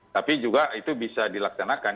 tapi juga itu bisa dilaksanakan